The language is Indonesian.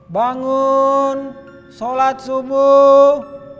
bangun solat subuh